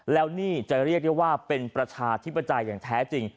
แล้วนี่จะเรียกได้ว่าเป็นประชาธิปไตยอย่างแท้จริง